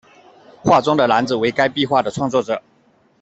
画中的男子为该壁画的创作者。